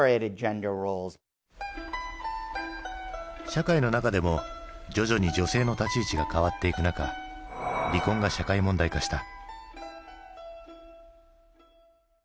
社会の中でも徐々に女性の立ち位置が変わっていく中離婚が社会問題化した。